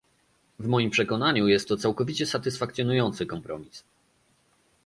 W moim przekonaniu jest to całkowicie satysfakcjonujący kompromis